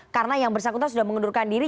karena yang bersangkutan sudah mengundurkan diri